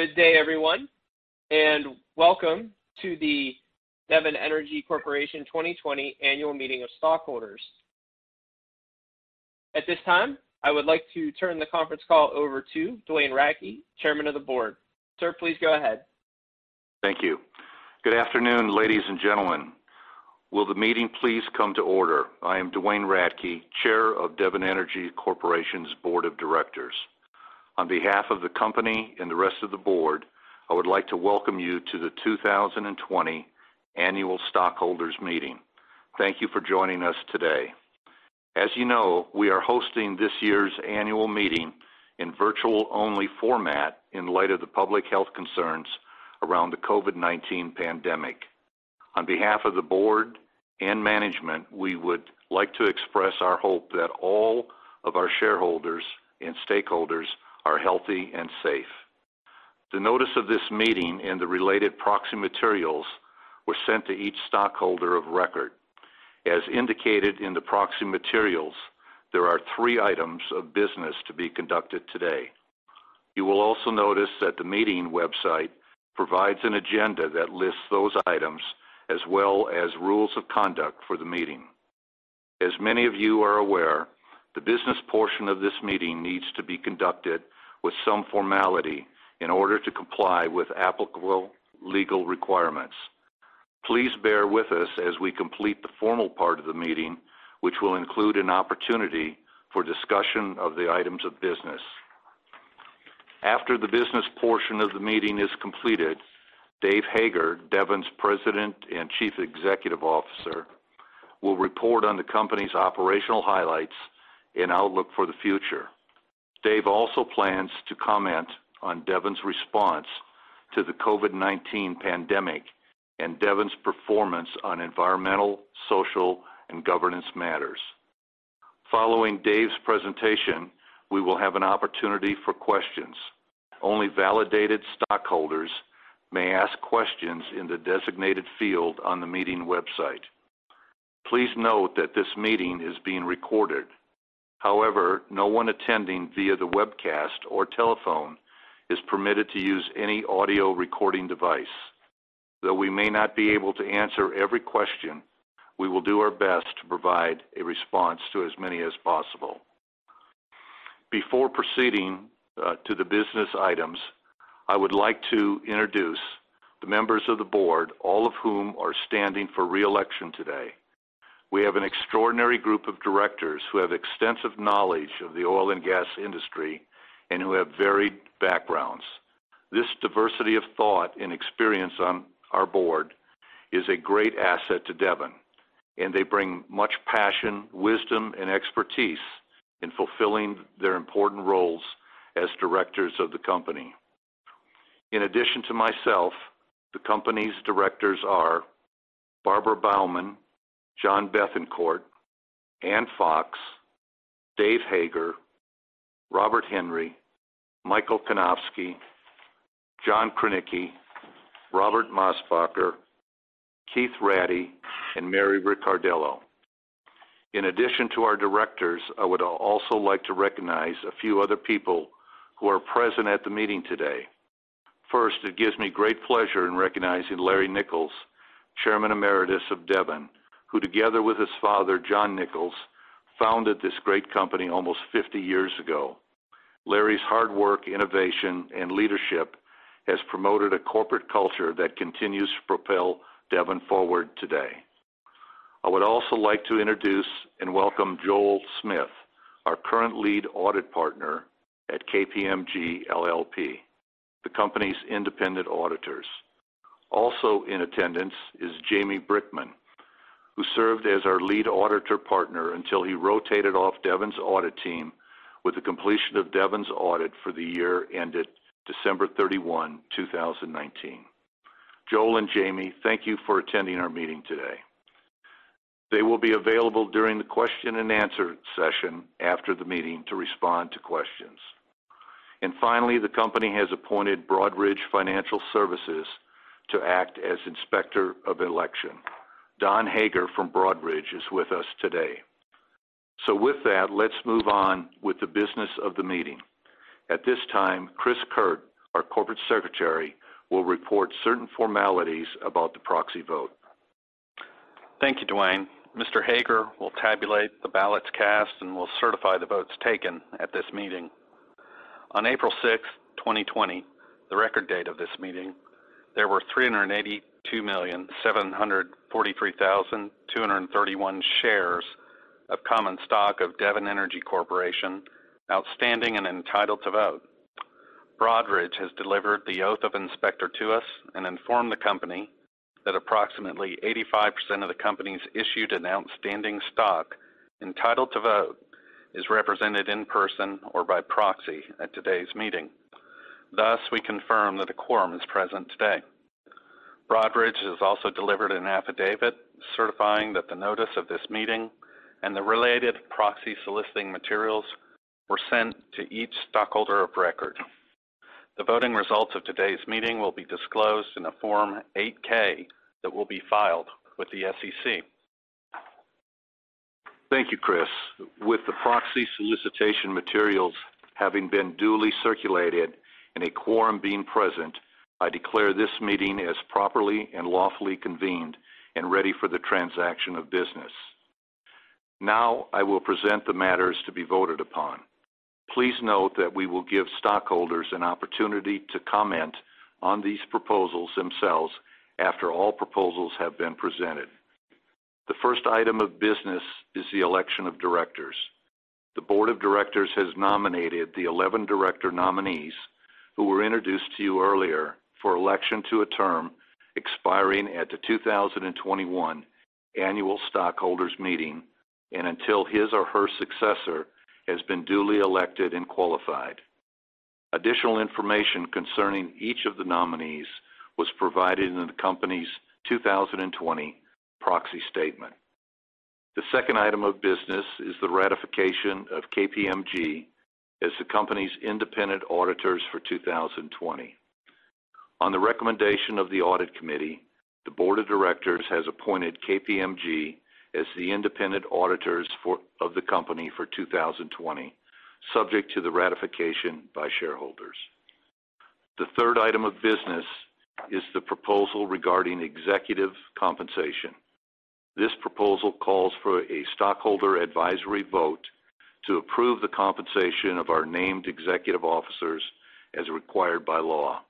Good day, everyone, and welcome to the Devon Energy Corporation 2020 Annual Meeting of Stockholders. At this time, I would like to turn the conference call over to Duane Radtke, Chairman of the Board. Sir, please go ahead. Thank you. Good afternoon, ladies and gentlemen. Will the meeting please come to order? I am Duane Radtke, Chair of Devon Energy Corporation's Board of Directors. On behalf of the company and the rest of the board, I would like to welcome you to the 2020 Annual Stockholders Meeting. Thank you for joining us today. As you know, we are hosting this year's annual meeting in virtual-only format in light of the public health concerns around the COVID-19 pandemic. On behalf of the board and management, we would like to express our hope that all of our shareholders and stakeholders are healthy and safe. The notice of this meeting and the related proxy materials were sent to each stockholder of record. As indicated in the proxy materials, there are three items of business to be conducted today. You will also notice that the meeting website provides an agenda that lists those items, as well as rules of conduct for the meeting. As many of you are aware, the business portion of this meeting needs to be conducted with some formality in order to comply with applicable legal requirements. Please bear with us as we complete the formal part of the meeting, which will include an opportunity for discussion of the items of business. After the business portion of the meeting is completed, Dave Hager, Devon's President and Chief Executive Officer, will report on the company's operational highlights and outlook for the future. Dave also plans to comment on Devon's response to the COVID-19 pandemic and Devon's performance on environmental, social, and governance matters. Following Dave's presentation, we will have an opportunity for questions. Only validated stockholders may ask questions in the designated field on the meeting website. Please note that this meeting is being recorded. However, no one attending via the webcast or telephone is permitted to use any audio recording device. Though we may not be able to answer every question, we will do our best to provide a response to as many as possible. Before proceeding to the business items, I would like to introduce the members of the Board, all of whom are standing for re-election today. We have an extraordinary group of directors who have extensive knowledge of the oil and gas industry and who have varied backgrounds. This diversity of thought and experience on our Board is a great asset to Devon, and they bring much passion, wisdom, and expertise in fulfilling their important roles as directors of the company. In addition to myself, the company's directors are Barbara Baumann, John Bethancourt, Ann Fox, Dave Hager, Robert Henry, Michael Kanovsky, John Krenicki, Robert Mosbacher, Keith Rattie, and Mary Ricciardello. In addition to our directors, I would also like to recognize a few other people who are present at the meeting today. First, it gives me great pleasure in recognizing Larry Nichols, Chairman Emeritus of Devon, who together with his father, John Nichols, founded this great company almost 50 years ago. Larry's hard work, innovation, and leadership has promoted a corporate culture that continues to propel Devon forward today. I would also like to introduce and welcome Joel Smith, our current lead audit partner at KPMG LLP, the company's independent auditors. Also in attendance is Jamie Brickman, who served as our lead auditor partner until he rotated off Devon's audit team with the completion of Devon's audit for the year ended December 31, 2019. Joel and Jamie, thank you for attending our meeting today. They will be available during the question-and-answer session after the meeting to respond to questions. Finally, the company has appointed Broadridge Financial Services to act as inspector of election. Don Hager from Broadridge is with us today. With that, let's move on with the business of the meeting. At this time, Chris Kirt, our Corporate Secretary, will report certain formalities about the proxy vote. Thank you, Duane. Mr. Hager will tabulate the ballots cast and will certify the votes taken at this meeting. On April 6, 2020, the record date of this meeting, there were 382,743,231 shares of common stock of Devon Energy Corporation outstanding and entitled to vote. Broadridge has delivered the oath of inspector to us and informed the company that approximately 85% of the company's issued and outstanding stock entitled to vote is represented in person or by proxy at today's meeting. Thus, we confirm that a quorum is present today. Broadridge has also delivered an affidavit certifying that the notice of this meeting and the related proxy soliciting materials were sent to each stockholder of record. The voting results of today's meeting will be disclosed in a Form 8-K that will be filed with the SEC. Thank you, Chris. With the proxy solicitation materials having been duly circulated and a quorum being present, I declare this meeting as properly and lawfully convened and ready for the transaction of business. I will present the matters to be voted upon. Please note that we will give stockholders an opportunity to comment on these proposals themselves after all proposals have been presented. The first item of business is the election of directors. The board of directors has nominated the 11 director nominees who were introduced to you earlier for election to a term expiring at the 2021 annual stockholders meeting and until his or her successor has been duly elected and qualified. Additional information concerning each of the nominees was provided in the company's 2020 proxy statement. The second item of business is the ratification of KPMG as the company's independent auditors for 2020. On the recommendation of the Audit Committee, the board of directors has appointed KPMG as the independent auditors of the company for 2020, subject to the ratification by shareholders. The third item of business is the proposal regarding executive compensation. This proposal calls for a stockholder advisory vote to approve the compensation of our named executive officers as required by law.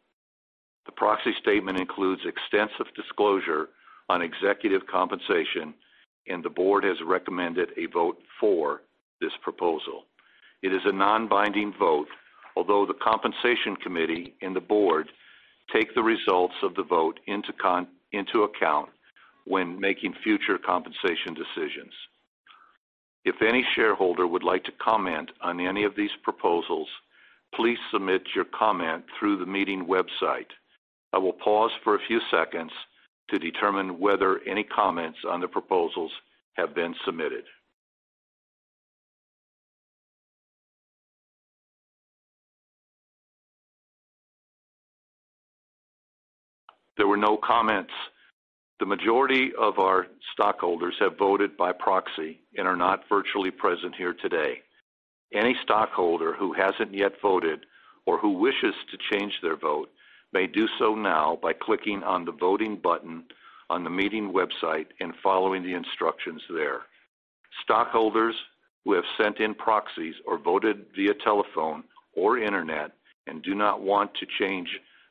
The proxy statement includes extensive disclosure on executive compensation, and the board has recommended a vote for this proposal. It is a non-binding vote, although the Compensation Committee and the board take the results of the vote into account when making future compensation decisions. If any shareholder would like to comment on any of these proposals, please submit your comment through the meeting website. I will pause for a few seconds to determine whether any comments on the proposals have been submitted. There were no comments. The majority of our stockholders have voted by proxy and are not virtually present here today. Any stockholder who hasn't yet voted or who wishes to change their vote may do so now by clicking on the Voting button on the meeting website and following the instructions there. Stockholders who have sent in proxies or voted via telephone or internet and do not want to change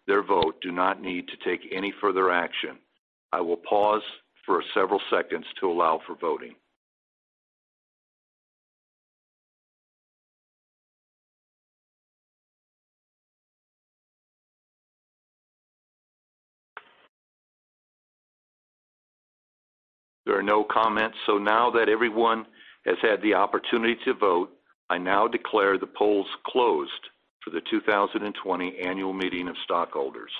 their vote do not need to take any further action. I will pause for several seconds to allow for voting. Now that everyone has had the opportunity to vote, I now declare the polls closed for the 2020 annual meeting of stockholders.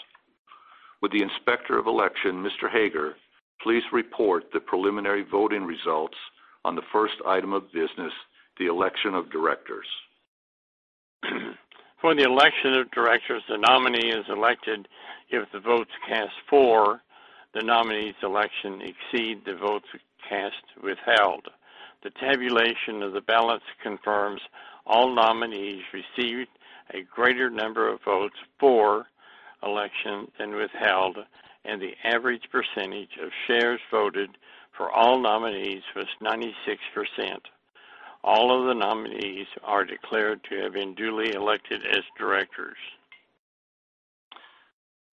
Would the Inspector of Election, Mr. Hager, please report the preliminary voting results on the first item of business, the election of directors? For the election of directors, the nominee is elected if the votes cast for the nominee's election exceed the votes cast withheld. The tabulation of the ballots confirms all nominees received a greater number of votes for election than withheld, and the average percentage of shares voted for all nominees was 96%. All of the nominees are declared to have been duly elected as directors.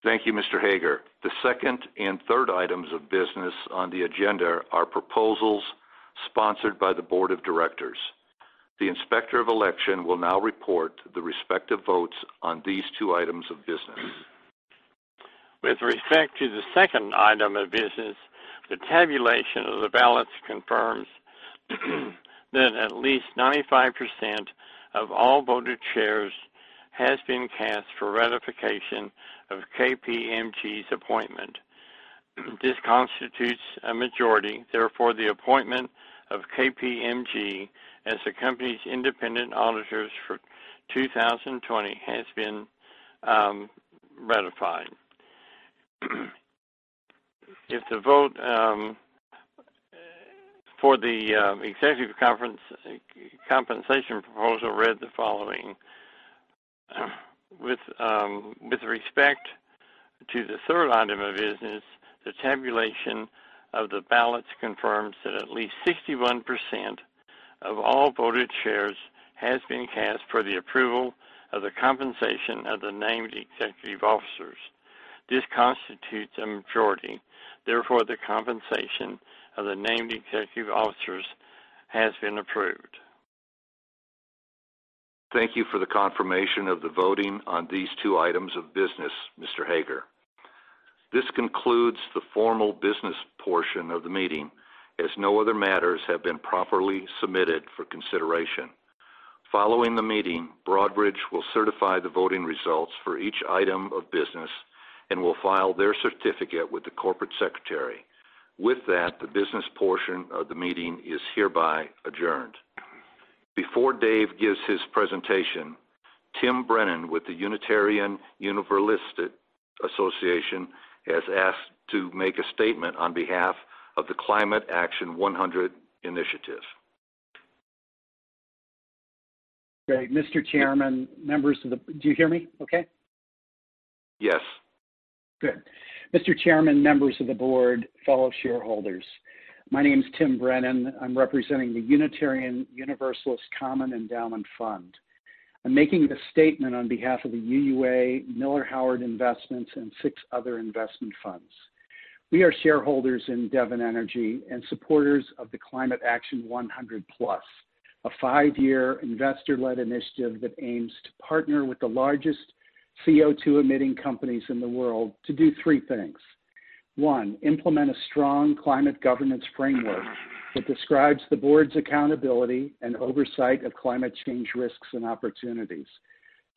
Thank you, Mr. Hager. The second and third items of business on the agenda are proposals sponsored by the board of directors. The Inspector of Election will now report the respective votes on these two items of business. With respect to the second item of business, the tabulation of the ballots confirms that at least 95% of all voted shares has been cast for ratification of KPMG's appointment. This constitutes a majority, therefore, the appointment of KPMG as the company's independent auditors for 2020 has been ratified. If the vote for the executive compensation proposal read the following. With respect to the third item of business, the tabulation of the ballots confirms that at least 61% of all voted shares has been cast for the approval of the compensation of the named executive officers. This constitutes a majority, therefore, the compensation of the named executive officers has been approved. Thank you for the confirmation of the voting on these two items of business, Mr. Hager. This concludes the formal business portion of the meeting, as no other matters have been properly submitted for consideration. Following the meeting, Broadridge will certify the voting results for each item of business and will file their certificate with the corporate secretary. With that, the business portion of the meeting is hereby adjourned. Before Dave gives his presentation, Tim Brennan with the Unitarian Universalist Association has asked to make a statement on behalf of the Climate Action 100 initiative. Great. Mr. Chairman, Do you hear me okay? Yes. Good. Mr. Chairman, members of the board, fellow shareholders. My name's Tim Brennan. I'm representing the Unitarian Universalist Common Endowment Fund. I'm making this statement on behalf of the UUA, Miller/Howard Investments, and six other investment funds. We are shareholders in Devon Energy and supporters of the Climate Action 100+, a five-year investor-led initiative that aims to partner with the largest CO2-emitting companies in the world to do three things. One, implement a strong climate governance framework that describes the board's accountability and oversight of climate change risks and opportunities.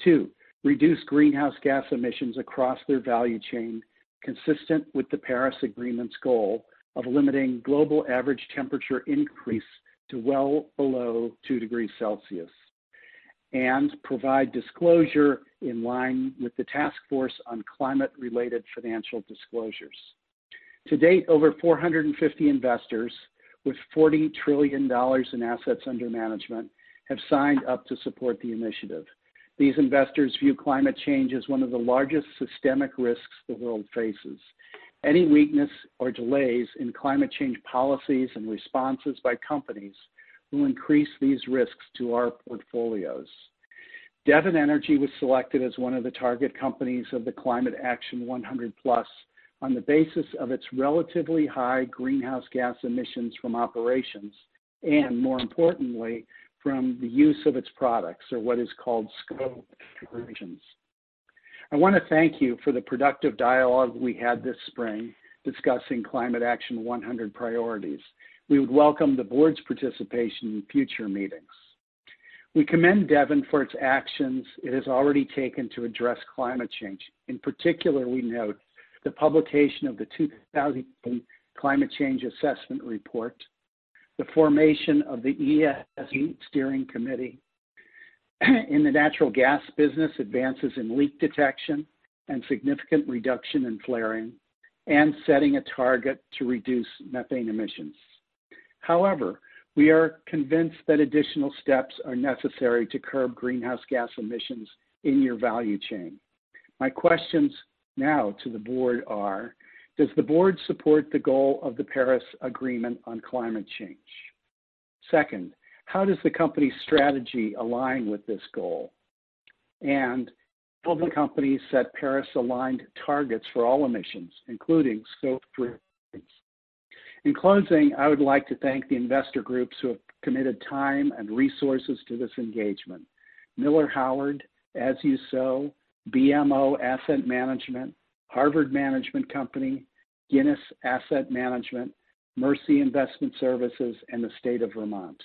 Two, reduce greenhouse gas emissions across their value chain, consistent with the Paris Agreement's goal of limiting global average temperature increase to well below two degrees Celsius. Provide disclosure in line with the Task Force on Climate-related Financial Disclosures. To date, over 450 investors with $40 trillion in assets under management have signed up to support the initiative. These investors view climate change as one of the largest systemic risks the world faces. Any weakness or delays in climate change policies and responses by companies will increase these risks to our portfolios. Devon Energy was selected as one of the target companies of the Climate Action 100+ on the basis of its relatively high greenhouse gas emissions from operations, and more importantly, from the use of its products, or what is called Scope 3 emissions. I want to thank you for the productive dialogue we had this spring discussing Climate Action 100 priorities. We would welcome the board's participation in future meetings. We commend Devon for its actions it has already taken to address climate change. In particular, we note the publication of the 2020 Climate Change Assessment Report, the formation of the ESG Steering Committee, in the natural gas business, advances in leak detection and significant reduction in flaring, and setting a target to reduce methane emissions. We are convinced that additional steps are necessary to curb greenhouse gas emissions in your value chain. My questions now to the board are, does the board support the goal of the Paris Agreement on climate change? Second, how does the company's strategy align with this goal? Will the company set Paris-aligned targets for all emissions, including Scope 3? In closing, I would like to thank the investor groups who have committed time and resources to this engagement. Miller Howard, As You Sow, BMO Asset Management, Harvard Management Company, Guinness Asset Management, Mercy Investment Services, and the state of Vermont.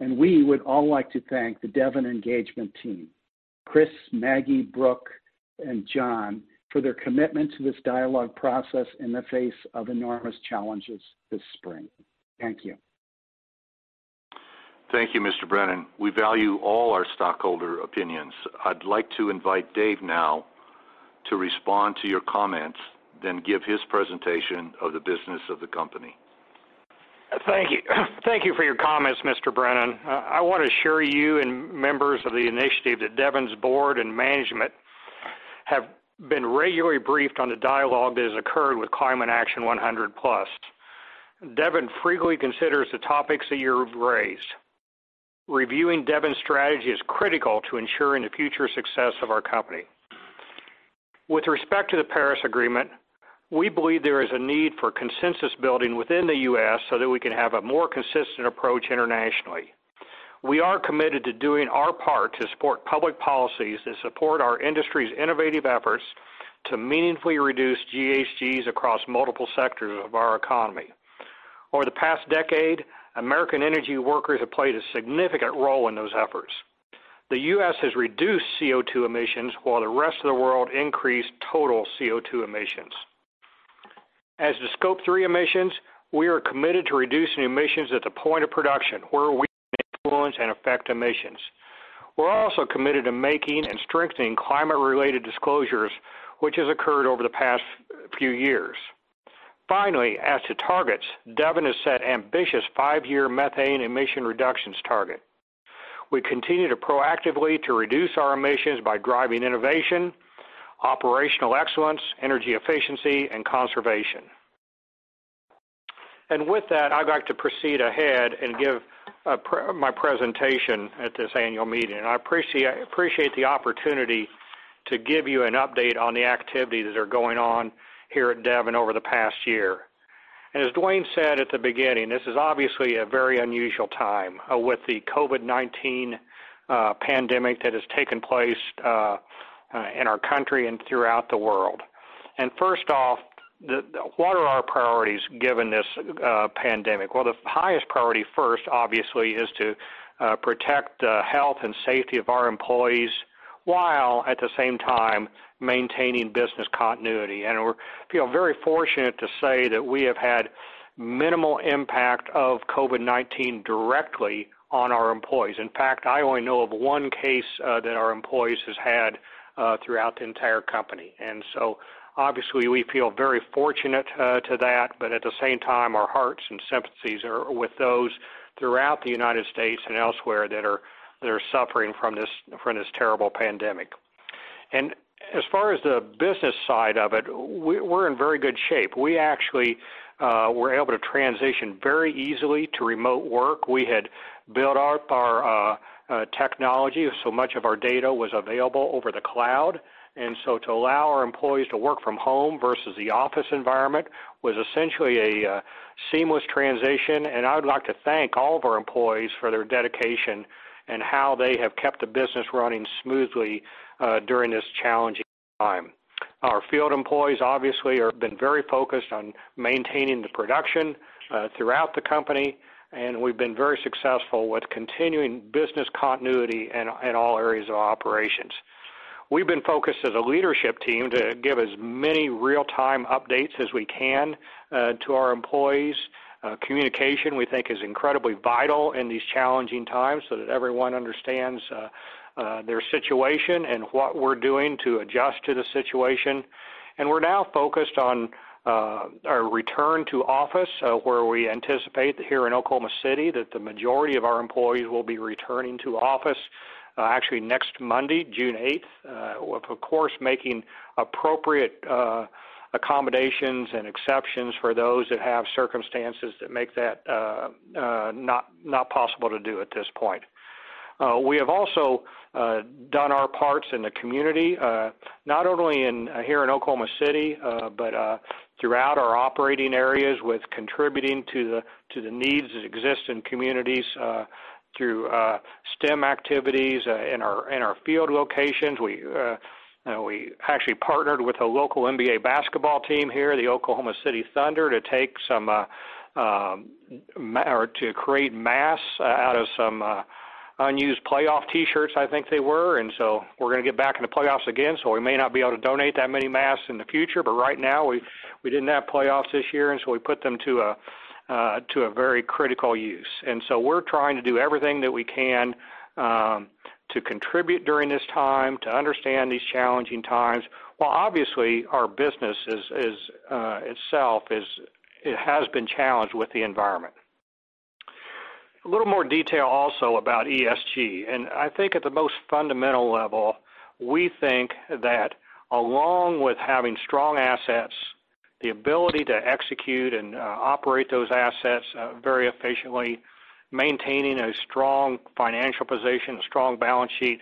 We would all like to thank the Devon engagement team, Chris, Maggie, Brooke, and John, for their commitment to this dialogue process in the face of enormous challenges this spring. Thank you. Thank you, Mr. Brennan. We value all our stockholder opinions. I'd like to invite Dave now to respond to your comments, then give his presentation of the business of the company. Thank you. Thank you for your comments, Mr. Brennan. I want to assure you and members of the initiative that Devon's board and management have been regularly briefed on the dialogue that has occurred with Climate Action 100+. Devon frequently considers the topics that you've raised. Reviewing Devon's strategy is critical to ensuring the future success of our company. With respect to the Paris Agreement, we believe there is a need for consensus building within the U.S. so that we can have a more consistent approach internationally. We are committed to doing our part to support public policies that support our industry's innovative efforts to meaningfully reduce GHGs across multiple sectors of our economy. Over the past decade, American energy workers have played a significant role in those efforts. The U.S. has reduced CO2 emissions while the rest of the world increased total CO2 emissions. As to Scope 3 emissions, we are committed to reducing emissions at the point of production where we influence and affect emissions. We're also committed to making and strengthening climate-related disclosures, which has occurred over the past few years. Finally, as to targets, Devon has set ambitious five-year methane emission reductions target. We continue to proactively to reduce our emissions by driving innovation, operational excellence, energy efficiency, and conservation. With that, I'd like to proceed ahead and give my presentation at this annual meeting. I appreciate the opportunity to give you an update on the activities that are going on here at Devon over the past year. As Duane said at the beginning, this is obviously a very unusual time, with the COVID-19 pandemic that has taken place in our country and throughout the world. First off, what are our priorities given this pandemic? Well, the highest priority first, obviously, is to protect the health and safety of our employees, while at the same time maintaining business continuity. We feel very fortunate to say that we have had minimal impact of COVID-19 directly on our employees. In fact, I only know of one case that our employees has had throughout the entire company. Obviously we feel very fortunate to that, but at the same time, our hearts and sympathies are with those throughout the United States and elsewhere that are suffering from this terrible pandemic. As far as the business side of it, we're in very good shape. We actually were able to transition very easily to remote work. We had built up our technology, so much of our data was available over the cloud. To allow our employees to work from home versus the office environment was essentially a seamless transition. I would like to thank all of our employees for their dedication and how they have kept the business running smoothly during this challenging time. Our field employees obviously have been very focused on maintaining the production throughout the company. We've been very successful with continuing business continuity in all areas of operations. We've been focused as a leadership team to give as many real-time updates as we can to our employees. Communication, we think is incredibly vital in these challenging times, so that everyone understands their situation and what we're doing to adjust to the situation. We're now focused on our return to office, where we anticipate that here in Oklahoma City, that the majority of our employees will be returning to office actually next Monday, June 8th. Of course, making appropriate accommodations and exceptions for those that have circumstances that make that not possible to do at this point. We have also done our parts in the community, not only in here in Oklahoma City, but throughout our operating areas with contributing to the needs that exist in communities through STEM activities in our field locations. We actually partnered with a local NBA basketball team here, the Oklahoma City Thunder, to create masks out of some unused playoff T-shirts, I think they were. We're going to get back in the playoffs again, so we may not be able to donate that many masks in the future, but right now, we didn't have playoffs this year. We put them to a very critical use. We're trying to do everything that we can to contribute during this time, to understand these challenging times, while obviously our business itself, it has been challenged with the environment. A little more detail also about ESG. I think at the most fundamental level, we think that along with having strong assets, the ability to execute and operate those assets very efficiently, maintaining a strong financial position, a strong balance sheet,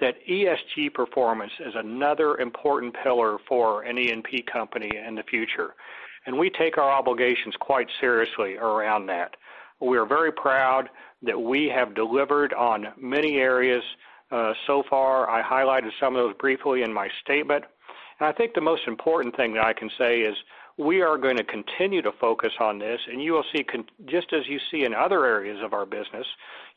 that ESG performance is another important pillar for an E&P company in the future. We take our obligations quite seriously around that. We are very proud that we have delivered on many areas so far. I highlighted some of those briefly in my statement. I think the most important thing that I can say is we are going to continue to focus on this, and just as you see in other areas of our business,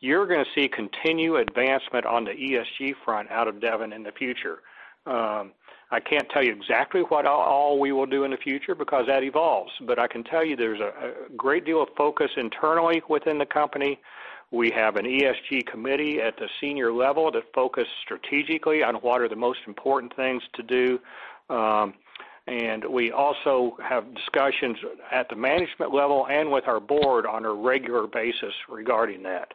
you're going to see continued advancement on the ESG front out of Devon in the future. I can't tell you exactly what all we will do in the future because that evolves, but I can tell you there's a great deal of focus internally within the company. We have an ESG committee at the senior level that focus strategically on what are the most important things to do. We also have discussions at the management level and with our board on a regular basis regarding that.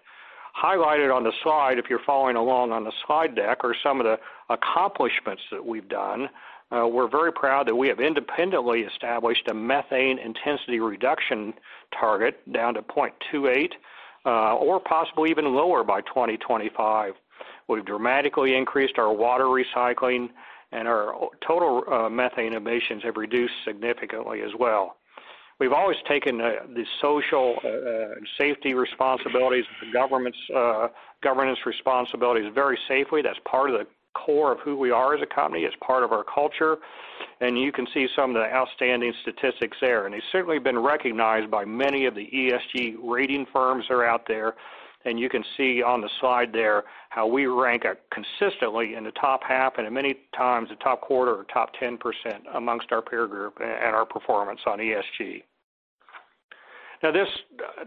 Highlighted on the slide, if you're following along on the slide deck, are some of the accomplishments that we've done. We're very proud that we have independently established a methane intensity reduction target down to 0.28, or possibly even lower by 2025. We've dramatically increased our water recycling. Our total methane emissions have reduced significantly as well. We've always taken the social safety responsibilities and governance responsibilities very safely. That's part of the core of who we are as a company. It's part of our culture. You can see some of the outstanding statistics there. It's certainly been recognized by many of the ESG rating firms that are out there. You can see on the slide there, how we rank consistently in the top half, and at many times the top quarter or top 10% amongst our peer group at our performance on ESG. This,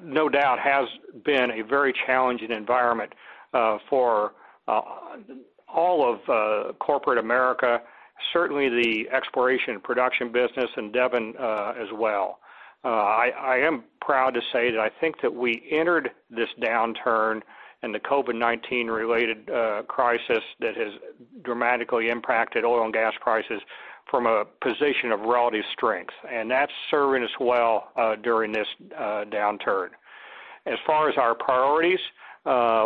no doubt, has been a very challenging environment for all of Corporate America, certainly the exploration and production business, and Devon as well. I am proud to say that I think that we entered this downturn and the COVID-19 related crisis that has dramatically impacted oil and gas prices from a position of relative strength. That's serving us well during this downturn. As far as our priorities,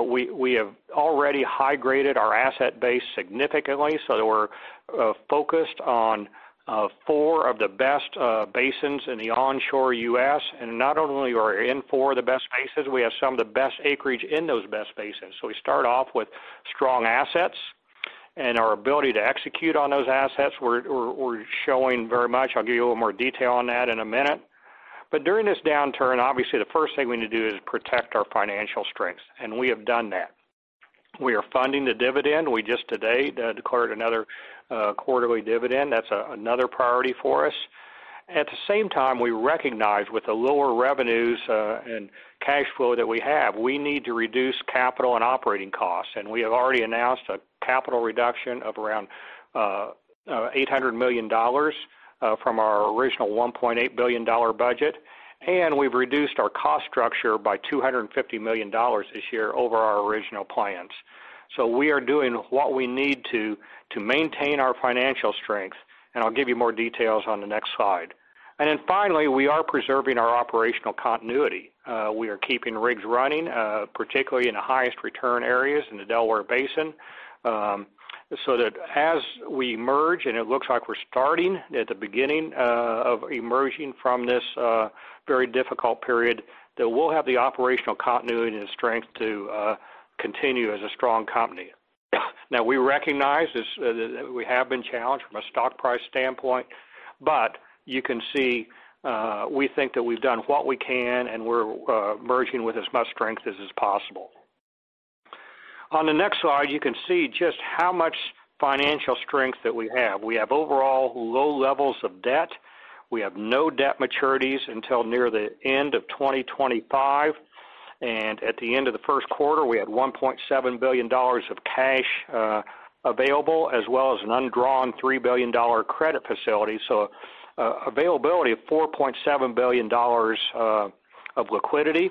we have already high-graded our asset base significantly, so that we're focused on four of the best basins in the onshore U.S. Not only are we in four of the best basins, we have some of the best acreage in those best basins. We start off with strong assets. Our ability to execute on those assets, we're showing very much. I'll give you a little more detail on that in a minute. During this downturn, obviously, the first thing we need to do is protect our financial strengths, and we have done that. We are funding the dividend. We just today declared another quarterly dividend. That's another priority for us. At the same time, we recognize with the lower revenues and cash flow that we have, we need to reduce capital and operating costs. We have already announced a capital reduction of around $800 million from our original $1.8 billion budget. We've reduced our cost structure by $250 million this year over our original plans. We are doing what we need to maintain our financial strength. I'll give you more details on the next slide. Finally, we are preserving our operational continuity. We are keeping rigs running, particularly in the highest return areas in the Delaware Basin, so that as we emerge, and it looks like we're starting at the beginning of emerging from this very difficult period, that we'll have the operational continuity and strength to continue as a strong company. We recognize that we have been challenged from a stock price standpoint. You can see, we think that we've done what we can, and we're emerging with as much strength as is possible. On the next slide, you can see just how much financial strength that we have. We have overall low levels of debt. We have no debt maturities until near the end of 2025. At the end of the first quarter, we had $1.7 billion of cash available, as well as an undrawn $3 billion credit facility. Availability of $4.7 billion of liquidity.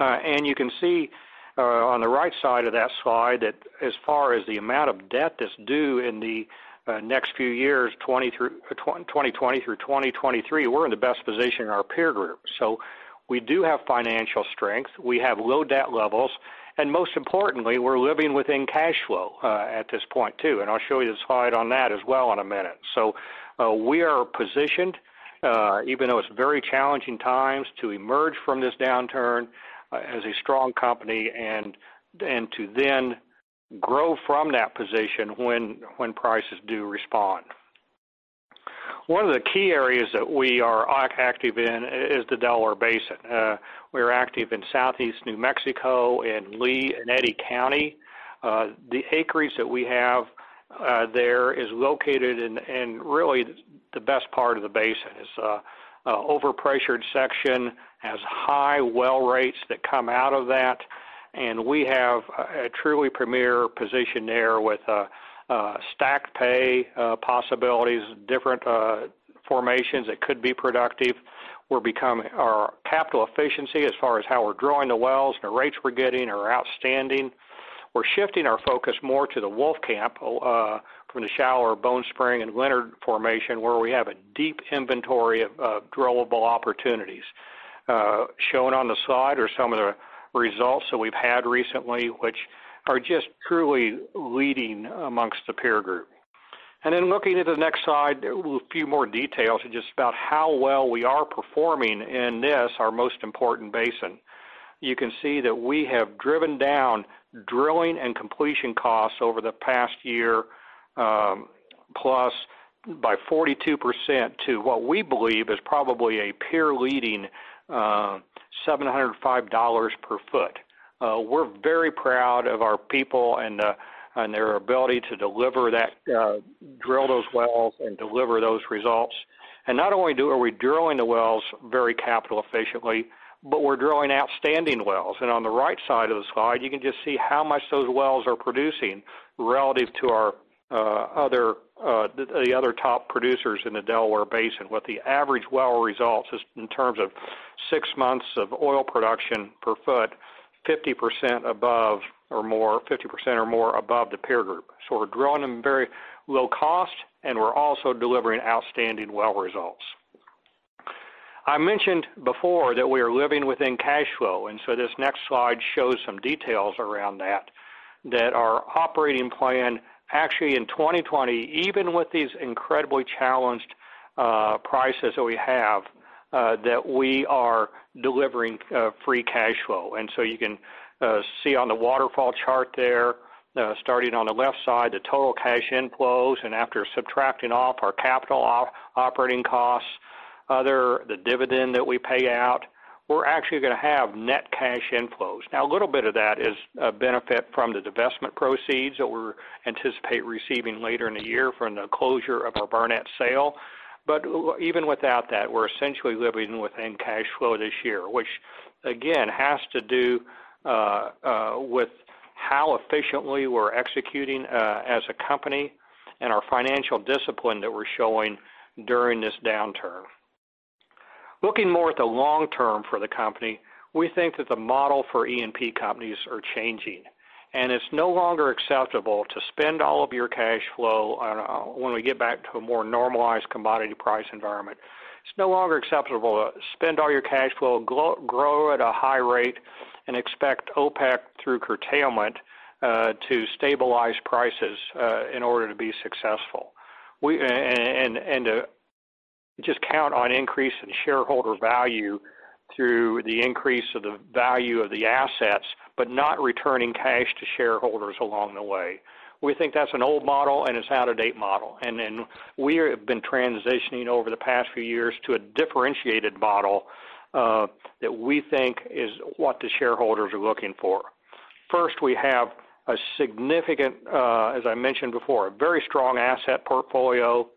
You can see on the right side of that slide that as far as the amount of debt that's due in the next few years, 2020 through 2023, we're in the best position in our peer group. We do have financial strength. We have low debt levels. Most importantly, we're living within cash flow, at this point too. I'll show you the slide on that as well in a minute. We are positioned, even though it's very challenging times, to emerge from this downturn as a strong company and to then grow from that position when prices do respond. One of the key areas that we are active in is the Delaware Basin. We're active in Southeast New Mexico, in Lea and Eddy County. The acreage that we have there is located in really the best part of the basin. It's an over-pressured section, has high well rates that come out of that, and we have a truly premier position there with stacked pay possibilities, different formations that could be productive. Our capital efficiency as far as how we're drilling the wells and the rates we're getting are outstanding. We're shifting our focus more to the Wolfcamp, from the shallow Bone Spring and Leonard formation, where we have a deep inventory of drillable opportunities. Shown on the slide are some of the results that we've had recently, which are just truly leading amongst the peer group. Looking at the next slide, a few more details just about how well we are performing in this, our most important basin. You can see that we have driven down drilling and completion costs over the past year, plus by 42% to what we believe is probably a peer-leading $705 per foot. We're very proud of our people and their ability to drill those wells and deliver those results. Not only are we drilling the wells very capital efficiently, but we're drilling outstanding wells. On the right side of the slide, you can just see how much those wells are producing relative to the other top producers in the Delaware Basin, with the average well results in terms of six months of oil production per foot, 50% or more above the peer group. We're drilling them very low cost, and we're also delivering outstanding well results. I mentioned before that we are living within cash flow, and so this next slide shows some details around that our operating plan actually in 2020, even with these incredibly challenged prices that we have, that we are delivering free cash flow. You can see on the waterfall chart there, starting on the left side, the total cash inflows, after subtracting off our capital operating costs, other, the dividend that we pay out, we're actually going to have net cash inflows. A little bit of that is a benefit from the divestment proceeds that we anticipate receiving later in the year from the closure of our Barnett sale. Even without that, we're essentially living within cash flow this year, which again, has to do with how efficiently we're executing as a company and our financial discipline that we're showing during this downturn. Looking more at the long-term for the company, we think that the model for E&P companies are changing, and it's no longer acceptable to spend all of your cash flow when we get back to a more normalized commodity price environment. It's no longer acceptable to spend all your cash flow, grow at a high rate, and expect OPEC through curtailment, to stabilize prices in order to be successful. Just count on increase in shareholder value through the increase of the value of the assets, but not returning cash to shareholders along the way. We think that's an old model and it's out-of-date model. Then we have been transitioning over the past few years to a differentiated model, that we think is what the shareholders are looking for. First, we have a significant, as I mentioned before, a very strong asset portfolio.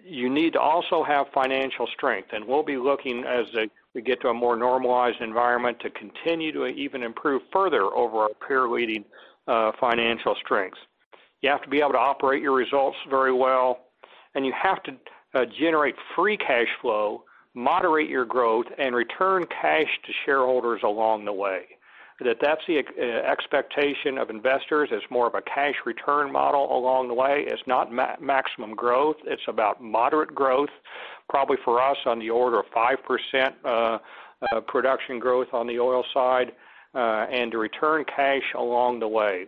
You need to also have financial strength, and we'll be looking as we get to a more normalized environment to continue to even improve further over our peer-leading financial strengths. You have to be able to operate your results very well, and you have to generate free cash flow, moderate your growth, and return cash to shareholders along the way. That's the expectation of investors as more of a cash return model along the way. It's not maximum growth. It's about moderate growth, probably for us on the order of 5% production growth on the oil side, and to return cash along the way.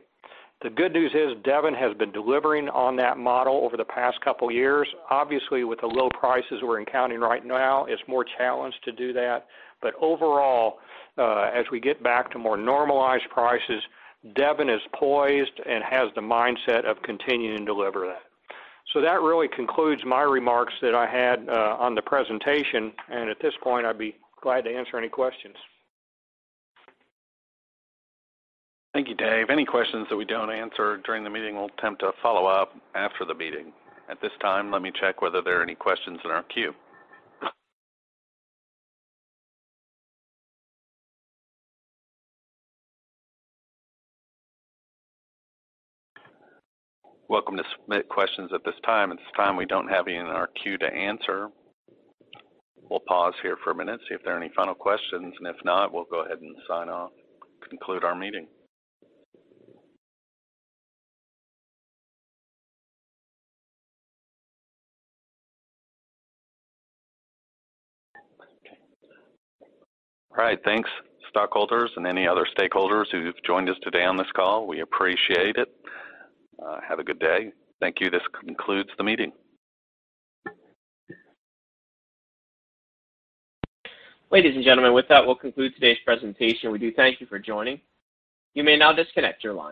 The good news is Devon has been delivering on that model over the past couple years. Obviously, with the low prices we're encountering right now, it's more challenged to do that. Overall, as we get back to more normalized prices, Devon is poised and has the mindset of continuing to deliver that. That really concludes my remarks that I had on the presentation. At this point, I'd be glad to answer any questions. Thank you, Dave. Any questions that we don't answer during the meeting, we'll attempt to follow up after the meeting. At this time, let me check whether there are any questions in our queue. Welcome to submit questions at this time. At this time, we don't have any in our queue to answer. We'll pause here for a minute, see if there are any final questions, and if not, we'll go ahead and sign off, conclude our meeting. All right, thanks, stockholders, and any other stakeholders who've joined us today on this call. We appreciate it. Have a good day. Thank you. This concludes the meeting. Ladies and gentlemen, with that, we'll conclude today's presentation. We do thank you for joining. You may now disconnect your line.